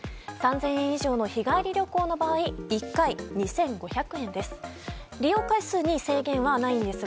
３０００円以上の日帰り旅行の場合１回２５００円です。